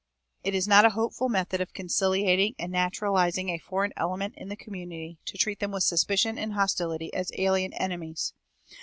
It is not a hopeful method of conciliating and naturalizing a foreign element in the community to treat them with suspicion and hostility as alien enemies.